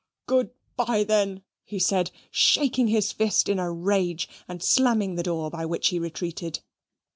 "Good bye, then," he said, shaking his fist in a rage, and slamming the door by which he retreated.